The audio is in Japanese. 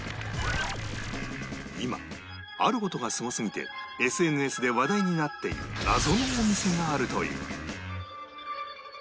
今ある事がすごすぎて ＳＮＳ で話題になっている謎のお店があるという